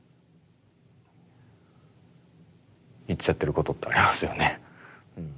いっちゃってることってありますよね。